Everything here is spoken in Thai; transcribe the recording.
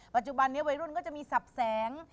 ปัจจุบันนี้วัยรุ่นก็จะมีสับแสง